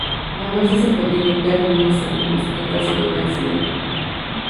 La dosis se podría inyectar en unos segundos, en caso de un accidente.